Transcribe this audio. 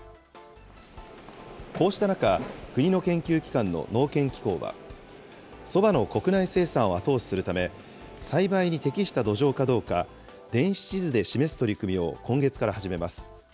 こうした中、国の研究機関の農研機構は、そばの国内生産を後押しするため、栽培に適した土壌かどうか、電子地図で示す取り組みを今月から始めます。